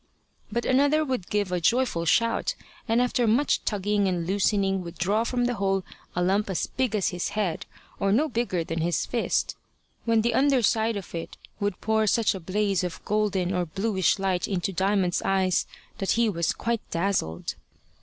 But another would give a joyful shout, and after much tugging and loosening would draw from the hole a lump as big as his head, or no bigger than his fist; when the under side of it would pour such a blaze of golden or bluish light into Diamond's eyes that he was quite dazzled.